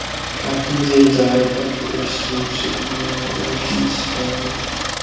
Captain Day died at Weston-super-Mare, where he is buried.